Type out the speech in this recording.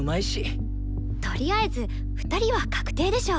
とりあえず２人は確定でしょ。